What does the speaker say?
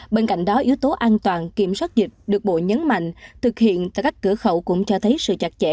bên cạnh đó yếu tố an toàn kiểm soát dịch được bộ nhấn mạnh thực hiện tại các cửa khẩu cũng cho thấy sự chặt chẽ